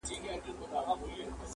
د شنه چنار په ننداره وزمه!!